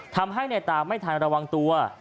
ทำให้ในตาไม่ทันระวังตัว